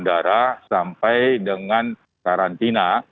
bandara sampai dengan karantina